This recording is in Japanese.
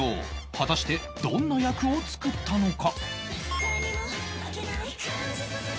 果たしてどんな役を作ったのか？